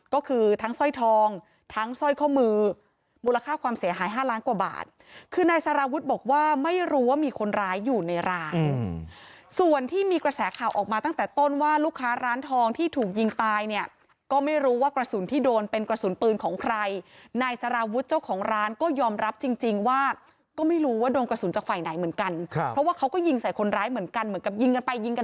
ก็คือทั้งสร้อยทองทั้งสร้อยข้อมือมูลค่าความเสียหาย๕ล้านกว่าบาทคือในสารวุฒิบอกว่าไม่รู้ว่ามีคนร้ายอยู่ในร้านส่วนที่มีกระแสข่าวออกมาตั้งแต่ต้นว่าลูกค้าร้านทองที่ถูกยิงตายเนี่ยก็ไม่รู้ว่ากระสุนที่โดนเป็นกระสุนปืนของใครในสารวุฒิเจ้าของร้านก็ยอมรับจริงว่าก็ไม่รู้ว่าโดน